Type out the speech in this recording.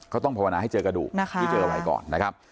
ก็ต้องภาวนาให้เจอกระดูกที่เจอกันไว้ก่อน